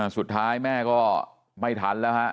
สุดท้ายแม่ก็ไม่ทันแล้วฮะ